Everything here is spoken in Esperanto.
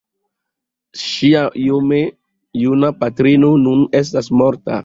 Ŝia iome juna patrino nun estas morta.